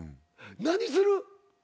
何する？